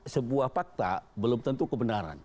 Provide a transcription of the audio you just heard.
sebuah fakta belum tentu kebenaran